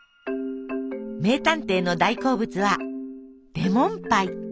名探偵の大好物はレモンパイ。